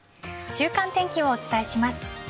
週間天気をお伝えします。